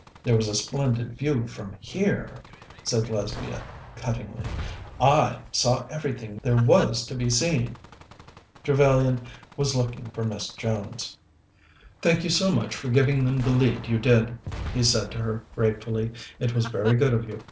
"There was a splendid view from here," said Lesbia cuttingly. "I saw everything there was to be seen." Trevellyan was looking for Miss Jones. "Thank you so much for giving them the lead you did," he said to her gratefully. "It was very good of you.